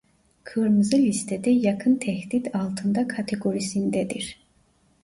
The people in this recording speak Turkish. Kırmızı listede yakın tehdit altında kategorisindedir.